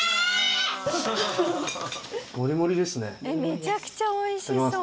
めちゃくちゃ美味しそう。